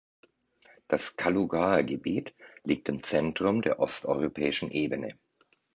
Das Kalugaer Gebiet liegt im Zentrum der Osteuropäischen Ebene.